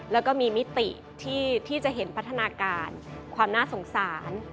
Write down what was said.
แล้วก็มีมิติที่จะเห็นพัฒนาการความน่าสงสาร